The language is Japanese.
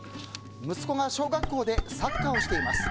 息子が小学校でサッカーをしています。